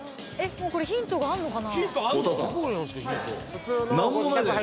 もうこれヒントがあんのかな？